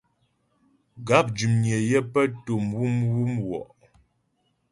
Gáp dʉmnyə yə pə́ tò mwǔmwù mgwɔ'.